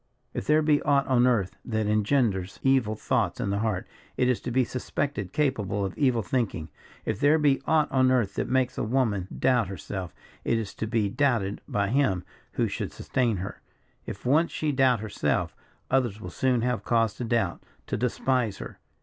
If there be aught on earth that engenders evil thoughts in the heart, it is to be suspected capable of evil thinking. If there be aught on earth that makes a woman doubt herself, it is to be doubted by him who should sustain her; if once she doubt herself, others will soon have cause to doubt, to despise her.